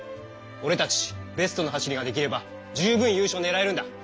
おれたちベストの走りができれば十分優勝ねらえるんだ。